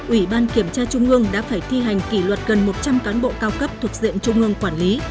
ủy ban kiểm tra trung ương đã phải thi hành kỷ luật gần một trăm linh cán bộ cao cấp thuộc diện trung ương quản lý